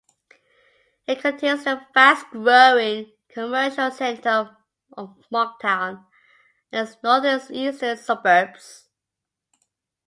It contains the fast-growing commercial centre of Moncton and its northern and eastern suburbs.